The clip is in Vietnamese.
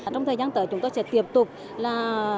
trong thời gian tới chúng tôi sẽ tiếp tục là